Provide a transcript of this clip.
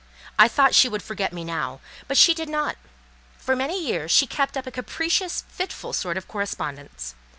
I thought she would forget me now, but she did not. For many years, she kept up a capricious, fitful sort of correspondence.